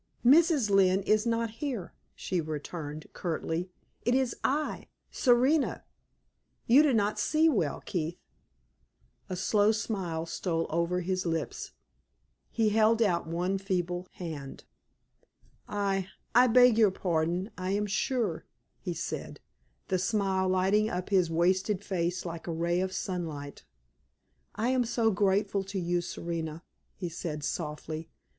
"Mrs. Lynne is not here," she returned, curtly. "It is I Serena. You do not see well, Keith!" A slow smile stole over his lips; he held out one feeble hand. "I I beg your pardon, I am sure," he said, the smile lighting up his wasted face like a ray of sunlight. "I am so grateful to you, Serena," he said, softly.